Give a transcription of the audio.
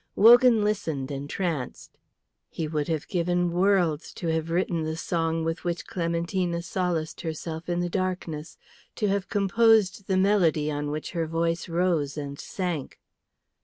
Wogan listened, entranced. He would have given worlds to have written the song with which Clementina solaced herself in the darkness, to have composed the melody on which her voice rose and sank.